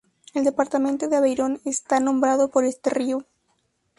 El departamento de Aveyron está nombrado por este río.